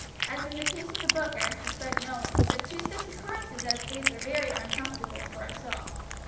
As in the case of the book I suspect no one, but two such occurrences as these are very uncomfortable for us all.